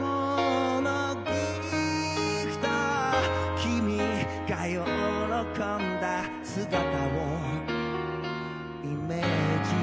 「君が喜んだ姿をイメージ」